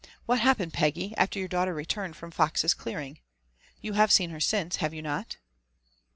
What happened, Peggy, after your daughter returned ■from Fox's clearing? You have seen her since, have you not